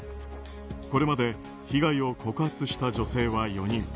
これまで被害を告発した女性は４人。